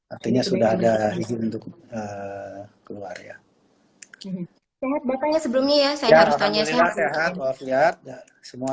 artinya sudah ada izin untuk keluar ya banget bakanya sebelumnya saya harus tanya